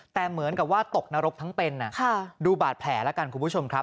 แต่เหมือนกับว่าตกนรกทั้งเป็นดูบาดแผลแล้วกันคุณผู้ชมครับ